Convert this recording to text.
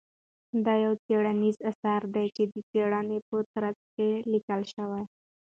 دا يو څېړنيز اثر دى چې د څېړنې په ترڅ کې ليکل شوى.